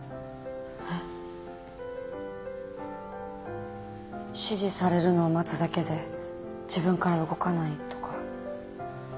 えっ？指示されるのを待つだけで自分から動かないとか。